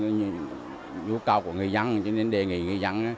nhiều nhà hàng hóa của người dân cho nên đề nghị người dân